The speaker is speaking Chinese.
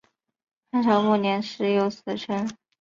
汉朝末年始有此称。